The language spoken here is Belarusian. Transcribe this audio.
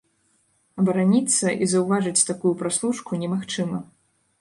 Абараніцца і заўважыць такую праслушку немагчыма.